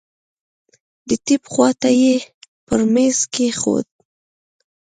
د ټېپ خوا ته يې پر ميز کښېښود.